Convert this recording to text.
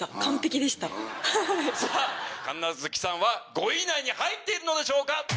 さぁ神奈月さんは５位以内に入っているのでしょうか